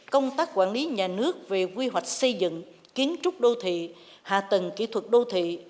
công tác quản lý nhà nước về quy hoạch xây dựng kiến trúc đô thị hạ tầng kỹ thuật đô thị